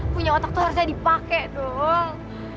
punya otak tuh harusnya dipakai dong